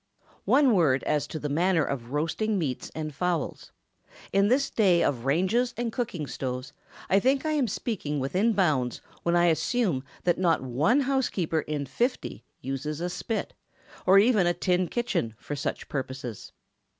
One word as to the manner of roasting meats and fowls. In this day of ranges and cooking stoves, I think I am speaking within bounds when I assume that not one housekeeper in fifty uses a spit, or even a tin kitchen, for such purposes.